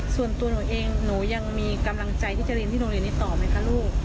ส่วนตัวหนูเองหนูยังมีกำลังใจที่จะเรียนที่โรงเรียนนี้ต่อไหมคะลูก